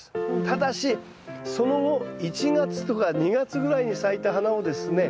ただしその後１月とか２月ぐらいに咲いた花をですね